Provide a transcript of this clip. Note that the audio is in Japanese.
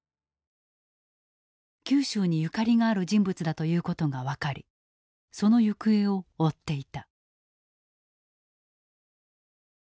九州にゆかりがある人物だということが分かりその行方を追っていた。